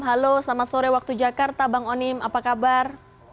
halo selamat sore waktu jakarta bang onim apa kabar